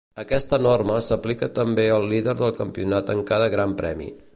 Aquesta norma s'aplica també al líder del Campionat en cada Gran Premi.